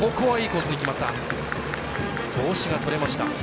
帽子が取れました。